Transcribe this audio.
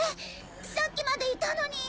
さっきまでいたのに。